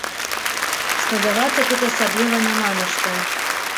Спадзявацца тут асабліва няма на што.